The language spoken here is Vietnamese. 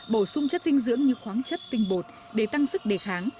bổ sung chất dinh dưỡng như khoáng chất tinh bột để tăng sức đề kháng